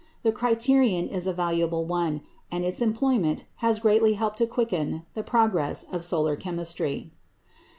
The criterion is a valuable one, and its employment has greatly helped to quicken the progress of solar chemistry.